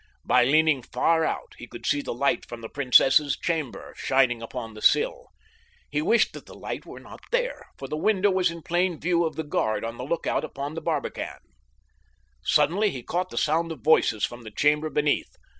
By leaning far out he could see the light from the princess's chamber shining upon the sill. He wished that the light was not there, for the window was in plain view of the guard on the lookout upon the barbican. Suddenly he caught the sound of voices from the chamber beneath.